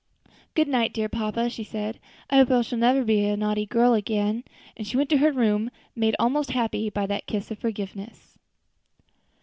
"Good night, dear papa," she said, "I hope I shall never be such a naughty girl again." And she went to her room, made almost happy by that kiss of forgiveness.